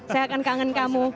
saya akan kangen kamu